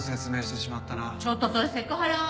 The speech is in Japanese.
ちょっとそれセクハラ！